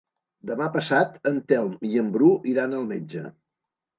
Demà passat en Telm i en Bru iran al metge.